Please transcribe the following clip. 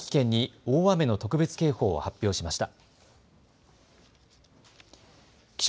宮崎県に大雨特別警報を発表しました。